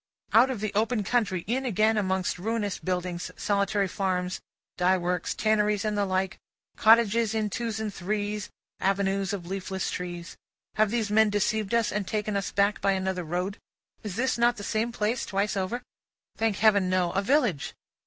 Out of the open country, in again among ruinous buildings, solitary farms, dye works, tanneries, and the like, cottages in twos and threes, avenues of leafless trees. Have these men deceived us, and taken us back by another road? Is not this the same place twice over? Thank Heaven, no. A village.